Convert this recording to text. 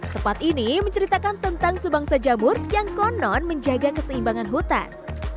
tempat ini menceritakan tentang sebangsa jamur yang konon menjaga keseimbangan hutan